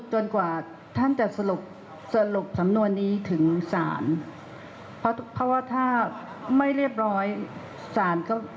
กว่าท่านจะสรุปสรุปสำนวนนี้ถึงศาลเพราะว่าถ้าไม่เรียบร้อยศาลก็